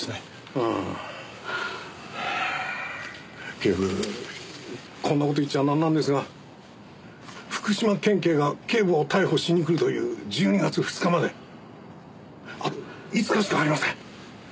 警部こんな事を言っちゃなんなんですが福島県警が警部を逮捕しに来るという１２月２日まであと５日しかありません。